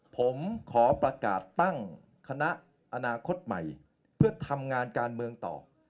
ผมขอประกาศตั้งคณะอนาคตใหม่เพื่อทำงานการเมืองต่อ